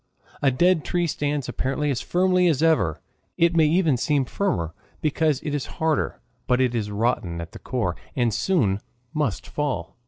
A dead tree stands apparently as firmly as ever it may even seem firmer because it is harder but it is rotten at the core, and soon must fall.